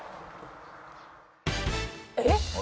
「えっ！？」